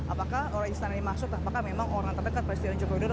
apakah orang istana ini masuk apakah memang orang terdekat presiden joko widodo